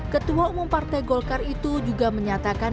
ketua umum partai golkar itu juga menyatakan